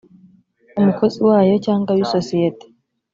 umukozi wayo cyangwa w isosiyete